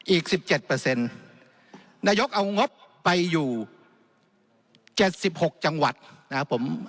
อีก๑๗นายกเอางบไปอยู่๗๖จังหวัดนะครับผม